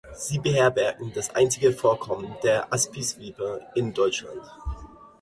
Sie beherbergen das einzige Vorkommen der Aspisviper in Deutschland.